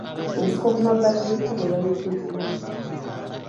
Ensiko ku mabbali g'ekkubo yayokeddwa.